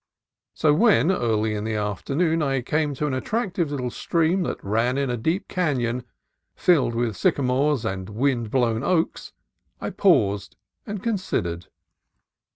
So when, early in the afternoon, I came to an attractive little stream that ran in a deep canon filled with sycamores and wind blown oaks, I paused and considered.